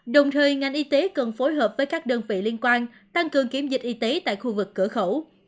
đồng thời ngành y tế cần phối hợp với các đơn vị liên quan tăng cường kiểm dịch y tế tại khu vực cửa khẩu